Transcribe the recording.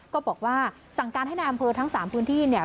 ก็บอกว่าสั่งการให้นายอำเภอทั้ง๓พื้นที่เนี่ย